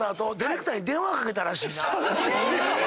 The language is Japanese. そうなんですよ。